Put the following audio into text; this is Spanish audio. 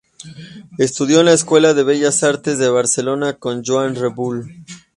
Estudió en la Escuela de Bellas Artes de Barcelona con Joan Rebull.